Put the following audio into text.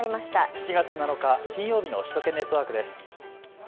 ７月７日、金曜日の首都圏ネットワークです。